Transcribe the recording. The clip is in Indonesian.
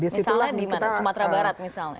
misalnya di sumatera barat misalnya